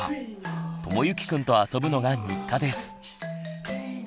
ともゆきくんと遊ぶのが日課です。